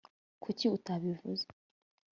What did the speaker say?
kuki utabivuze